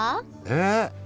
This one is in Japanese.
えっ？